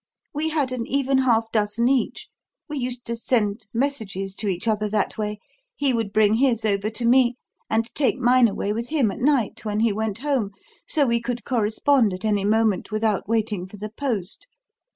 We had an even half dozen each. We used to send messages to each other that way. He would bring his over to me, and take mine away with him at night when he went home, so we could correspond at any moment without waiting for the post.